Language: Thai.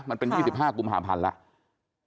มันเป็น๒๕กุมภาพันธ์แล้ว